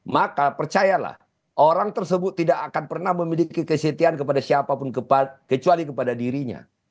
maka percayalah orang tersebut tidak akan pernah memiliki kesetiaan kepada siapapun kecuali kepada dirinya